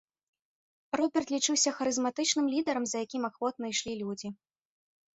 Роберт лічыўся харызматычным лідарам, за якім ахвотна ішлі людзі.